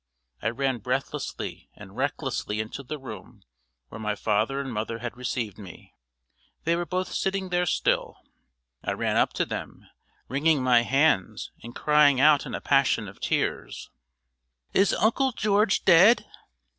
I ran breathlessly and recklessly into the room where my father and mother had received me. They were both sitting there still. I ran up to them, wringing my hands, and crying out in a passion of tears: "Is Uncle George dead?"